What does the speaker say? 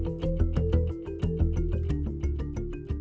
ใช่ส่วนมากจะไม่โดน